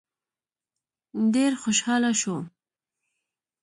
ډېر خوشحاله شو.